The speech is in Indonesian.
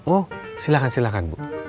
oh silahkan silahkan bu